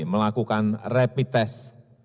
melakukan rapid test